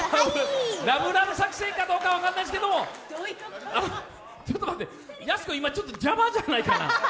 ラブラブ作戦かどうかは分からないですけどちょっと待って、やす子、ちょっと今、邪魔じゃないかな。